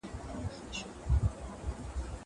زه لیکل کړي دي.